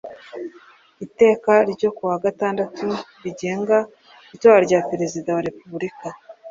Iteka ryo kuwa gatandatu rigenga itora rya Perezida wa repubulika